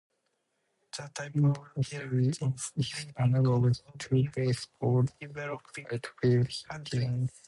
Conversely, off is analogous to baseball's "opposite-field" hitting.